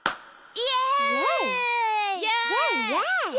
イエイ！